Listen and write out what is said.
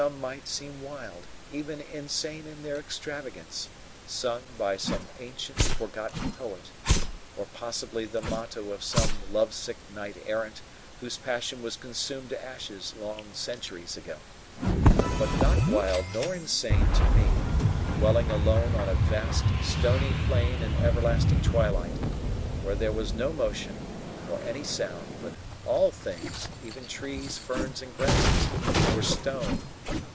Words that to some might seem wild, even insane in their extravagance, sung by some ancient forgotten poet; or possibly the motto of some love sick knight errant, whose passion was consumed to ashes long centuries ago. But not wild nor insane to me, dwelling alone on a vast stony plain in everlasting twilight, where there was no motion, nor any sound; but all things, even trees, ferns, and grasses, were stone.